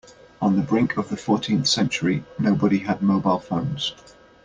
On the brink of the fourteenth century, nobody had mobile phones.